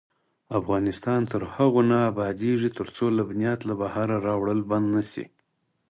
افغانستان تر هغو نه ابادیږي، ترڅو لبنیات له بهره راوړل بند نشي.